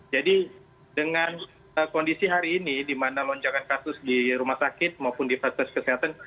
jadi dengan kondisi hari ini di mana lonjakan kasus di rumah sakit maupun di puskes kesehatan